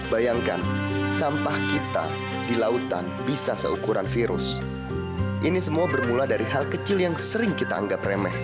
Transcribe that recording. bayangkan sampah kita di lautan bisa seukuran virus ini semua bermula dari hal kecil yang sering kita anggap remeh